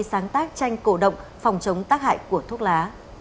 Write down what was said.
sáng tác tranh cổ động phòng chống tác hại của thuốc lá